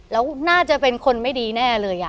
แล้วน่าจะเป็นคนไม่ดีแน่เลย